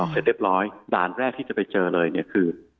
เสร็จเรียบร้อยด่านแรกที่จะไปเจอเลยเนี่ยคือ